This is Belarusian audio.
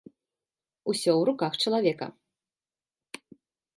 Усё ў руках чалавека.